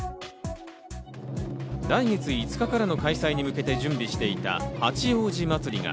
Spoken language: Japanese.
来月５日からの開催に向けて準備していた八王子まつりが